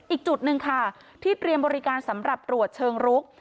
อีกจุดหนึ่งค่ะที่เตรียมบริการสำหรับตรวจเชิงรุก